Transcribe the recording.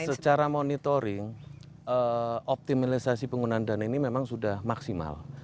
secara monitoring optimalisasi penggunaan dana ini memang sudah maksimal